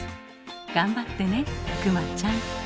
頑張ってね熊ちゃん。